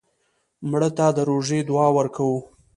مړه ته د روژې دعا ورکوو